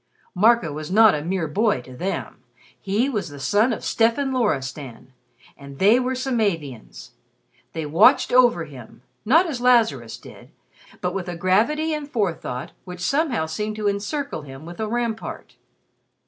Marco was not a mere boy to them, he was the son of Stefan Loristan; and they were Samavians. They watched over him, not as Lazarus did, but with a gravity and forethought which somehow seemed to encircle him with a rampart.